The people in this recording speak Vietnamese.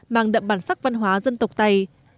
mang đậm bản sắc văn hóa dân tộc tày